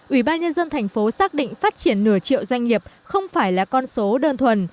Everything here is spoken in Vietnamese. ủy ban nhân dân thành phố xác định phát triển nửa triệu doanh nghiệp không phải là con số đơn thuần